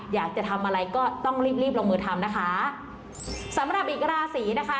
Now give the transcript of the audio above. อยากจะทำอะไรก็ต้องรีบรีบลงมือทำนะคะสำหรับอีกราศีนะคะ